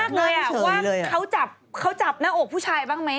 อยากรู้มากเลยอะถูกว่าเขาจับหน้าอกผู้ชายบ้างไหม